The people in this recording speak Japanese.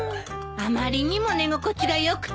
あまりにも寝心地が良くて。